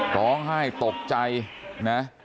ร้องไห้ตกใจนะ